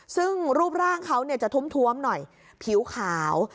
ซึ่งรูปร่างเขาจะท้มหน่อยผิวขาว